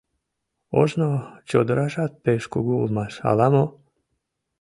Ожно чодыражат пеш кугу улмаш ала-мо?